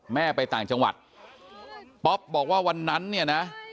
แม่ไปต่างจังหวัดป๊อปบอกว่าวันนั้นเนี่ยนะ